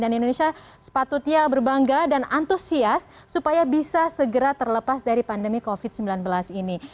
dan indonesia sepatutnya berbangga dan antusias supaya bisa segera terlepas dari pandemi covid sembilan belas ini